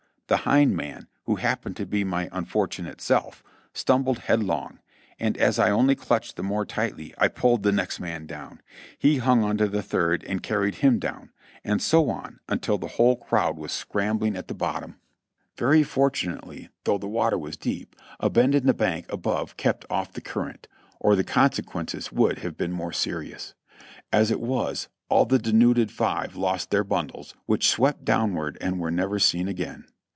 the hind man, who happened to be my unfor tunate self, stumbled headlong; and as I only clutched the more tightly, I pulled the next man down ; he hung onto the third and carried him down, and so on until the whole crowd was scramb WITHIN THE enemy's LINES 445 ling at the bottom. Very fortunately, though the water was deep, a bend in the bank above kept off the current, or the con sequences would have been more serious. As it was, all the de nuded five lost their bundles, which swept downward and were never seen again.